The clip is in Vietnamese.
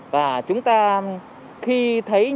và chúng ta khi thấy những